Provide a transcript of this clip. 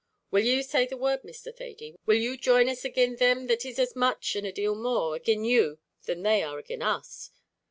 Will you say the word, Mr. Thady? Will you join us agin thim that is as much, an' a deal more, agin you than they are agin us?"